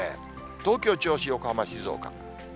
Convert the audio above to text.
東京、銚子、横浜、静岡。